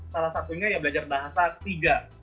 salah satunya ya belajar bahasa ketiga